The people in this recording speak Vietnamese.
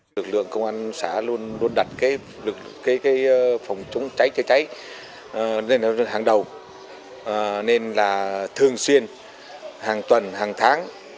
lực lượng công an xã luôn đặt phòng chống cháy cháy cháy nên là hàng đầu nên là thường xuyên hàng tuần hàng tháng